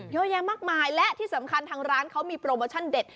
เยอะแยะมากมายและที่สำคัญทางร้านเขามีโปรโมชั่นเด็ด